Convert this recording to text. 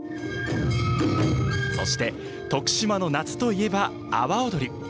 そして徳島の夏といえば阿波おどり。